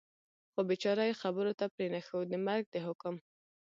خو بېچاره یې خبرو ته پرېنښود، د مرګ د حکم.